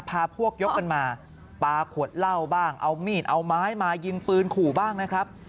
พาพวกยกกันมาปลาขวดเหล้าบ้างเอามีดเอาไม้มายิงปืนขู่บ้างนะครับ